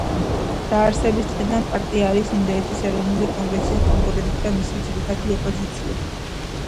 დაარსების დღიდან პარტია არის ინდოეთის ეროვნული კონგრესის კონკურენტი და მისი ძირითადი ოპოზიცია.